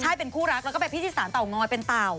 ใช่เป็นผู้รักแล้วเขาก็ไปที่พิธีศาสน